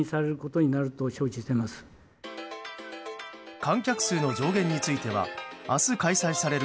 観客数の上限については明日、開催される